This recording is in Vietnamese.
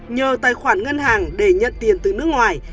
nhờ tài khoản ngân hàng để nhận tiền từ nước ngoài